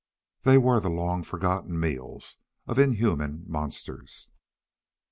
They were the long forgotten meals of inhuman monsters.